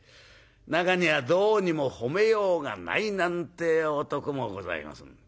中にはどうにも褒めようがないなんて男もございます。